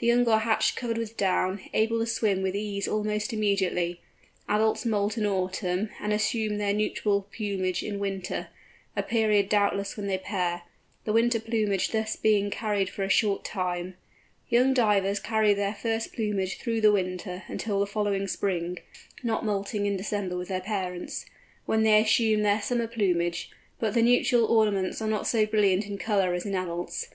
The young are hatched covered with down, able to swim with ease almost immediately. Adults moult in autumn, and assume their nuptial plumage in winter—a period doubtless when they pair—the winter plumage thus being carried for a short time. Young Divers carry their first plumage through the winter until the following spring (not moulting in December with their parents), when they assume their summer plumage, but the nuptial ornaments are not so brilliant in colour as in adults.